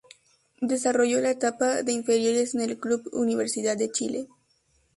Desarrolló la etapa de inferiores en el Club Universidad de Chile.